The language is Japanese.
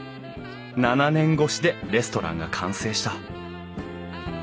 ７年越しでレストランが完成した。